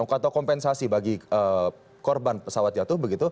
atau kompensasi bagi korban pesawat jatuh begitu